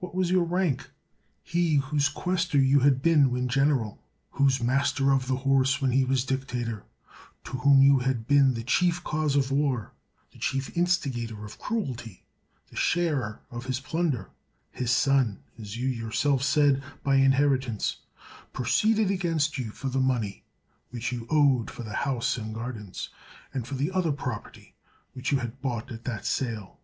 What was your rank? He whose questor you had been when general, whose master of the horse when he was dictator, to whom you had been the chief cause of war, the chief instigator of cruelty, the sharer of his plunder, his son, as you your self said, by inheritance, proceeded against you for the money which you owed for the house and gardens, and for the other property which you had bought at that sale.